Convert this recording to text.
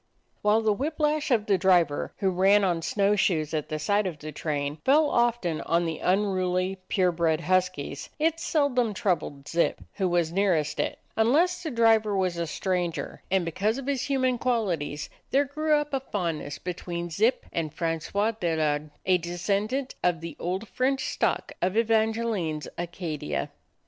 While the whip lash of the driver, who ran on snow shoes at the side of the train, fell often on the unruly, pure bred huskies, it sel dom troubled Zip, who was nearest it, unless the driver was a stranger; and because of his human qualities, there grew up a fondness between Zip and Francois Delard, a de scendant of the old French stock of Evangel ine's Acadia.